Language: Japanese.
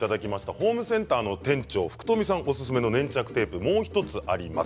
ホームセンターの店長福冨さんおすすめの粘着テープもう１つあります。